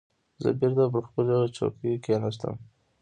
زه بېرته پر خپلې چوکۍ کېناستم.